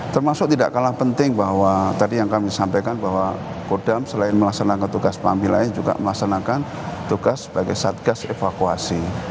termasuk tidak kalah penting bahwa tadi yang kami sampaikan bahwa kodam selain melaksanakan tugas pahami lain juga melaksanakan tugas sebagai satgas evakuasi